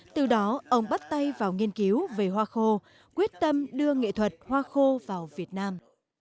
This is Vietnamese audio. từ đó ông bắt tay vào nghiên cứu về hoa khô quyết tâm đưa nghệ thuật hoa khô vào việt nam